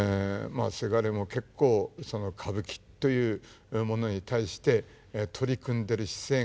せがれも結構歌舞伎というものに対して取り組んでる姿勢があります。